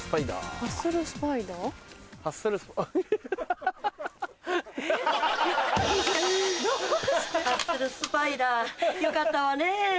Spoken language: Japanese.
ハッスルスパイダーよかったわね。